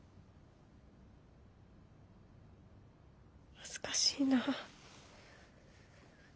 恥ずかしいな。